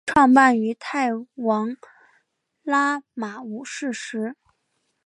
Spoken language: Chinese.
创办于泰王拉玛五世时。